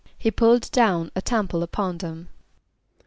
=He pulled down a temple upon them.